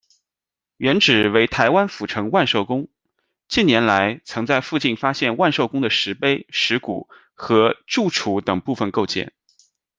原址为台湾府城万寿宫，近年来曾在附近发现万寿宫的石碑、石鼓和柱础等部分构件。